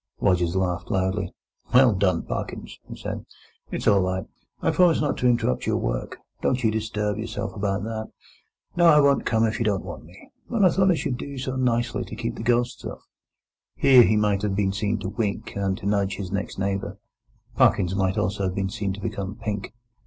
Rogers laughed loudly. "Well done, Parkins!" he said. "It's all right. I promise not to interrupt your work; don't you disturb yourself about that. No, I won't come if you don't want me; but I thought I should do so nicely to keep the ghosts off." Here he might have been seen to wink and to nudge his next neighbour. Parkins might also have been seen to become pink.